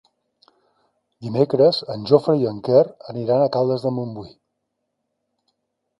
Dimecres en Jofre i en Quer aniran a Caldes de Montbui.